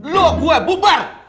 lu gua bubar